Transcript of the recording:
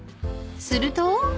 ［すると］